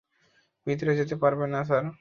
ভিতরে যেতে পারবেন না, স্যার।